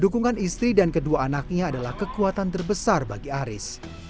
dukungan istri dan kedua anaknya adalah kekuatan terbesar bagi aris